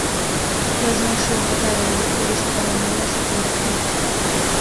Я знайшоў батарэю, калі страляніна сціхла.